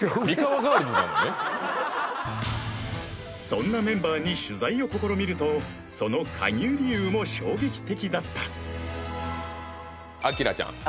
そんなメンバーに取材を試みるとその加入理由も衝撃的だったあきらちゃん